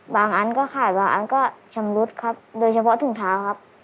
อันก็ขาดบางอันก็ชำรุดครับโดยเฉพาะถุงเท้าครับ